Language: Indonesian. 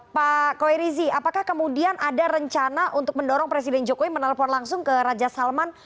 pak koirizi apakah kemudian ada rencana untuk mendorong presiden jokowi menelpon langsung ke raja salman